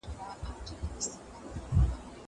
زه به سپينکۍ مينځلي وي.